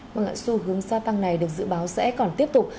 một ngạn xu hướng xa tăng này được dự báo sẽ còn tiếp tục